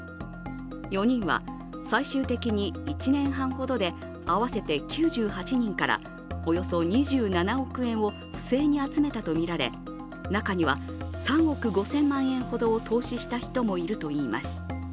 ４人は最終的に１年半ほどで合わせて９８人からおよそ２７億円を不正に集めたとみられ中には３億５０００万円ほどを投資した人もいるといいます。